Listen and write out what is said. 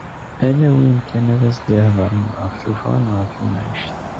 Ala win kan ara as-d-ihedren ɣef tuffɣa neɣ ɣef temɛict.